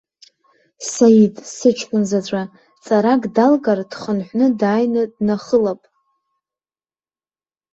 Саид, сыҷкәын заҵәы, ҵарак далгар, дхынҳәны дааины днахылап.